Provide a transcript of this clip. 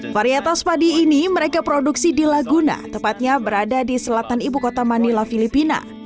varietas padi ini mereka produksi di laguna tepatnya berada di selatan ibu kota manila filipina